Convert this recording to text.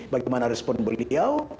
bagaimana respon beliau